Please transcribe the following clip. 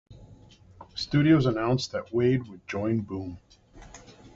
Studios announced that Waid would join Boom!